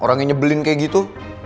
orangnya nyebelin kayak gitu